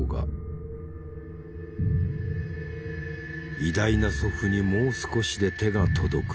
偉大な祖父にもう少しで手が届く。